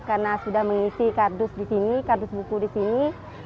karena sudah mengisi kardus di sini kardus buku di sini